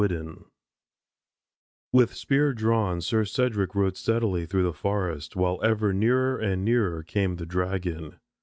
WITTEN "With spear drawn Sir Cedric rode steadily through the forest, while ever nearer and nearer came the dragon.